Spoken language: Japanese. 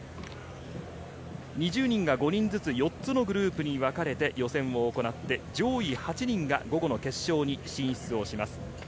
２０人が５人ずつ４つのグループにわかれて予選を行って、上位８人が午後の決勝に進出します。